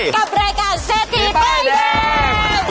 กับรายการเซทีตะแดง